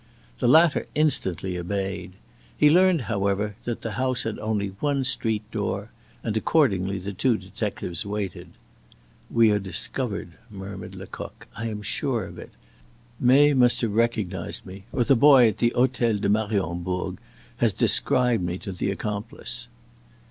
The latter instantly obeyed. He learned, however, that the house had only one street door, and accordingly the two detectives waited. "We are discovered!" murmured Lecoq. "I am sure of it. May must have recognized me, or the boy at the Hotel de Mariembourg has described me to the accomplice."